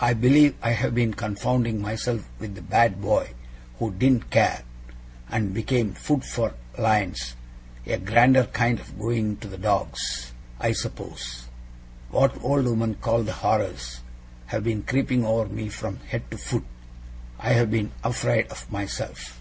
I believe I have been confounding myself with the bad boy who "didn't care", and became food for lions a grander kind of going to the dogs, I suppose. What old women call the horrors, have been creeping over me from head to foot. I have been afraid of myself.